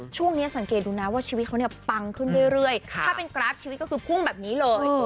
ช่วงนี้สังเกตดูนะว่าชีวิตเขาเนี่ยปังขึ้นเรื่อยถ้าเป็นกราฟชีวิตก็คือพุ่งแบบนี้เลย